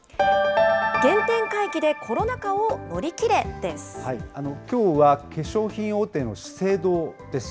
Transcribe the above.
原点回帰でコロナ禍を乗り切れできょうは化粧品大手の資生堂です。